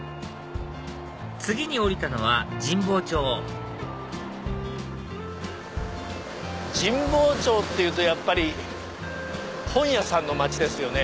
次に降りたのは神保町神保町っていうとやっぱり本屋さんの街ですよね。